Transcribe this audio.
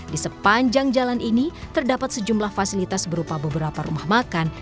di sepanjang jalan ini terdapat sejumlah fasilitas berupa beberapa rumah makan